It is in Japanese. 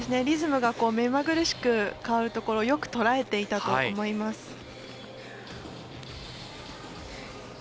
リズムが目まぐるしく変わるところをよく捉えていたと思います。